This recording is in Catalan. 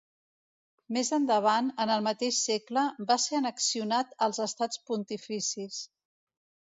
Més endavant, en el mateix segle, va ser annexionat als Estats pontificis.